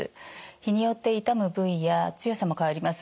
日によって痛む部位や強さも変わります。